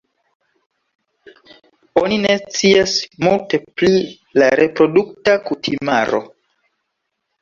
Oni ne scias multe pli la reprodukta kutimaro.